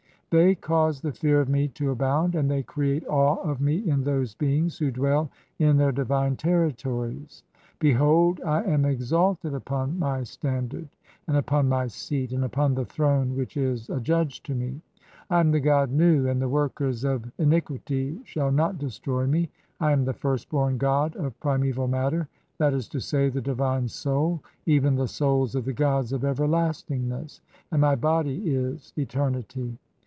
They cause the fear "of me [to abound], and they create awe of (7) me in those beings "who dwell in their divine territories. Behold, I am exalted upon 146 THE CHAPTERS OF COMING FORTH BY DAY. "my standard (8), and upon my seat, and upon the throne which "is adjudged [to me]. I am the god Nu, and the workers of ini quity shall not destroy me (9). I am the first born god of prim eval matter, that is to say, the divine Soul, even the (10) Souls "of the gods of everlastingness, and my body is eternity.